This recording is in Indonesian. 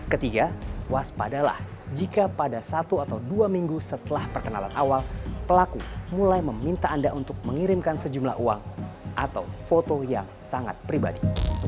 ketiga waspadalah jika pada satu atau dua minggu setelah perkenalan awal pelaku mulai meminta anda untuk mengirimkan sejumlah uang atau foto yang sangat pribadi